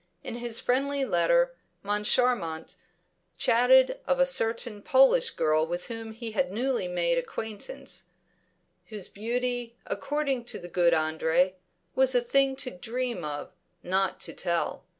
In his friendly letter, Moncharmont chatted of a certain Polish girl with whom he had newly made acquaintance, whose beauty, according to the good Andre, was a thing to dream of, not to tell.